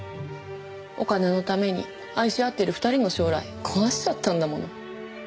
お金のために愛し合ってる２人の将来壊しちゃったんだもの。